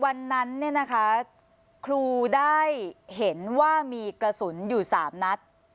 วันนั้นเนี่ยนะคะครูได้เห็นว่ามีกระสุนอยู่๓นัด